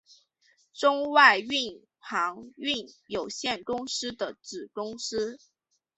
中外运航运有限公司的子公司。